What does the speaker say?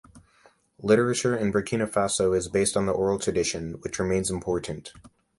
Literature in Burkina Faso is based on the oral tradition, which remains important.